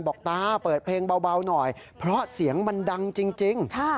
ตาเปิดเพลงเบาหน่อยเพราะเสียงมันดังจริง